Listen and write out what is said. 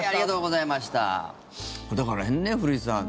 だから、古市さん